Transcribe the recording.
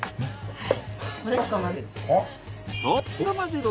はい。